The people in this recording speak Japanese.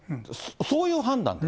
そういう判断。